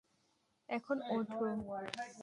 এখন, ওঠো।